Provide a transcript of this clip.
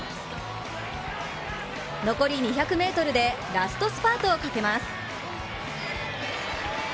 残り２００ｍでラストスパートをかけます。